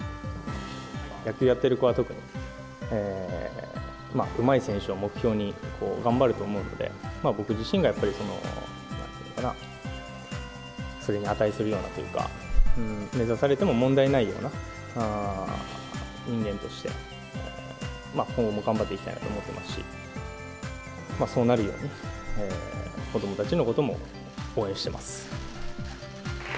野球やってる子は特に、うまい選手を目標に頑張ると思うので、僕自身がやっぱり、なんていうのかな、それに値するようなというか、目指されても問題ないような、人間として、今後も頑張っていきたいなと思っていますし、そうなるように、子どもたちのことも応援してます。